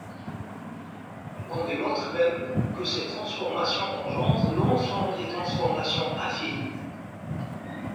On démontre même que ces transformations engendrent l'ensemble des transformations affines.